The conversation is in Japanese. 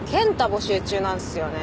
募集中なんですよね